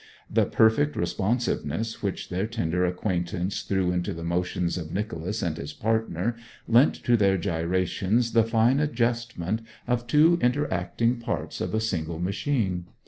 The perfect responsiveness which their tender acquaintance threw into the motions of Nicholas and his partner lent to their gyrations the fine adjustment of two interacting parts of a single machine.